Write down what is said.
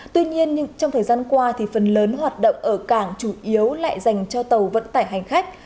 tuy nhiên trong thời gian qua thì phần lớn hoạt động ở cảng chủ yếu lại dành cho tàu vận tải hành khách